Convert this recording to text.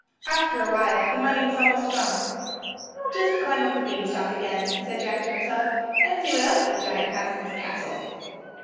After awhile the money was almost gone. "I'll just climb up the bean stalk again," said Jack to himself, "and see what else the giant has in his castle."